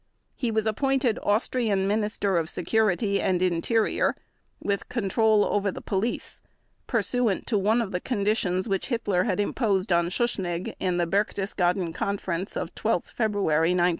He was appointed Austrian Minister of Security and Interior with control over the police, pursuant to one of the conditions which Hitler had imposed on Schuschnigg in the Berchtesgaden Conference of 12 February 1938.